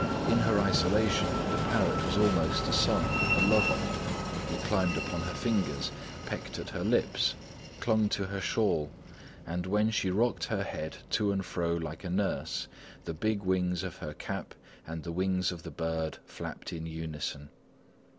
In her isolation, the parrot was almost a son, a lover. He climbed upon her fingers, pecked at her lips, clung to her shawl, and when she rocked her head to and fro like a nurse, the big wings of her cap and the wings of the bird flapped in unison.